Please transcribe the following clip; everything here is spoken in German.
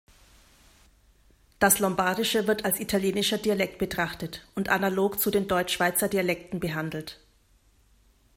Das Lombardische wird als italienischer Dialekt betrachtet und analog zu den Deutschschweizer Dialekten behandelt.